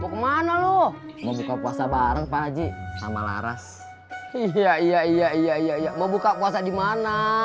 bok mana lu mau buka puasa bareng pak haji sama laras iya iya iya iya iya mau buka puasa di mana